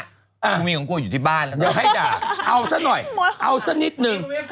คุณผู้หญิงของกูอยู่ที่บ้านเอาสักหน่อยเอาสักนิดหนึ่ง